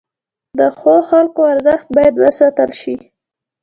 د ښو خلکو ارزښت باید وساتل شي.